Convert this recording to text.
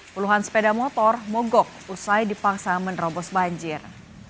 puluhan sepeda motor mogok usai dipaksa menerobos banjir